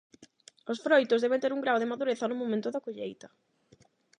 Os froitos deben ter un grao de madureza no momento da colleita.